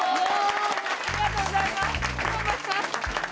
ありがとうございます。